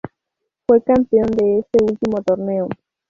Fue campeón de este último torneo.